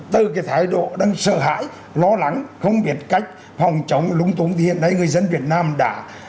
từ cái thái độ đang sợ hãi lo lắng không biết cách phòng chống lúng túng thì hiện nay người dân việt nam đã